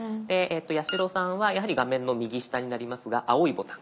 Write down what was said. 八代さんはやはり画面の右下になりますが青いボタン。